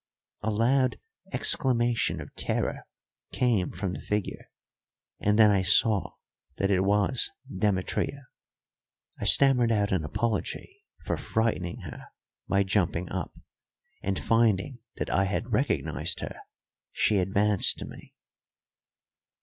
A loud exclamation of terror came from the figure, and then I saw that it was Demetria. I stammered out an apology for frightening her by jumping up, and, finding that I had recognised her, she advanced to me.